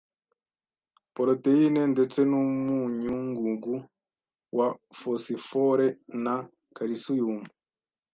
poroteyine ndetse n’umunyungugu wa fosifore na kalisiyumu.